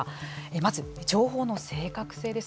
まず情報の正確性です。